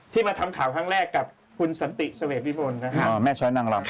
ที่มาทำข่าวครั้งแรกกับคุณสันติเสวียบริมลนะครับแม่ช้อนั่งรัม